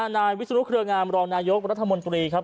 นายวิศนุเครืองามรองนายกรัฐมนตรีครับ